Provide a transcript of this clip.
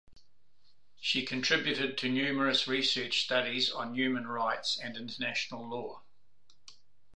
She contributed to numerous research studies on human rights and international law.